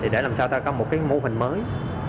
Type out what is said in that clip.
để làm sao ta có một mô hình mới